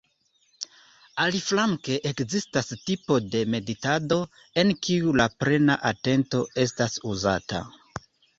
Aliflanke ekzistas tipo de meditado en kiu la "plena atento estas uzata".